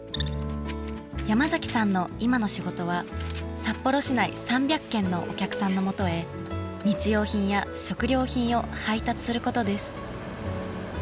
山崎さんの今の仕事は札幌市内３００軒のお客さんのもとへ日用品や食料品を配達することです。